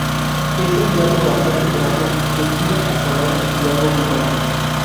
Es un plato bastante graso, que tira a salado y algo picante.